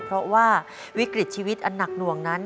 เพราะว่าวิกฤตชีวิตอันหนักหน่วงนั้น